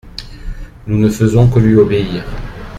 Nous ne faisons que lui obéir.